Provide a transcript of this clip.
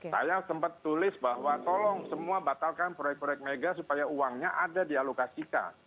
saya sempat tulis bahwa tolong semua batalkan proyek proyek mega supaya uangnya ada dialokasikan